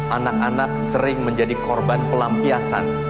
anak anak sering menjadi korban pelampiasan